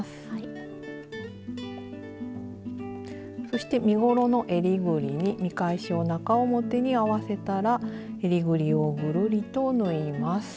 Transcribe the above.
そして身ごろのえりぐりに見返しを中表に合わせたらえりぐりをぐるりと縫います。